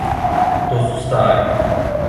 То су стари.